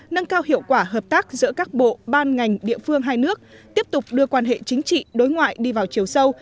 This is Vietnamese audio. nâng cao hiệu quả hợp tác giữa các bộ ban ngành địa phương hai nước tiếp tục đưa quan hệ chính trị đối ngoại đi vào chiều sâu